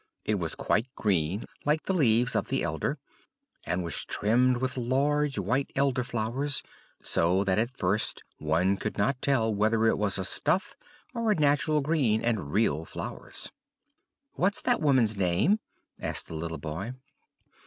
It was quite green, like the leaves of the elder, and was trimmed with large white Elder flowers; so that at first one could not tell whether it was a stuff, or a natural green and real flowers. "What's that woman's name?" asked the little boy.